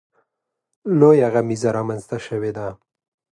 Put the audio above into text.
لویه غمیزه رامنځته شوې ده.